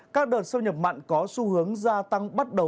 các đợt xâm nhập mặn có xu hướng gia tăng bắt đầu